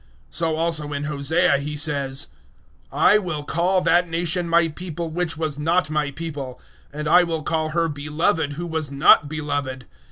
009:025 So also in Hosea He says, "I will call that nation My People which was not My People, and I will call her beloved who was not beloved.